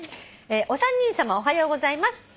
「お三人さまおはようございます」